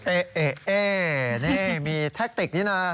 เอ๊นี่มีแท็กติกนี้นะ